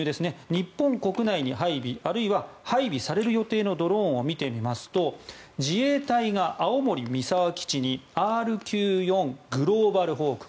日本国内に配備あるいは配備される予定のドローンを見てみますと自衛隊が青森・三沢基地にＲＱ４グローバルホーク。